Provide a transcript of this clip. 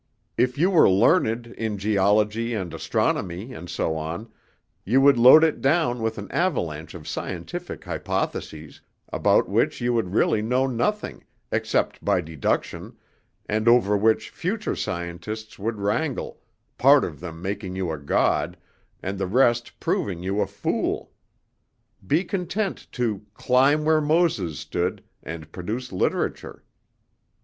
If you were learned in geology and astronomy and so on, you would load it down with an avalanche of scientific hypotheses, about which you would really know nothing, except by deduction, and over which future scientists would wrangle, part of them making you a god, and the rest proving you a fool. Be content to 'climb where Moses stood,' and produce literature."